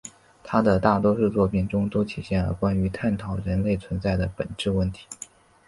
他的大多数作品中都出现了关于探讨人类存在的本质问题。